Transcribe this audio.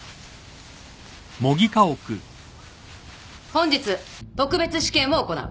本日特別試験を行う。